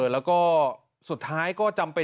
แล้วก็สุดท้ายก็จำเป็น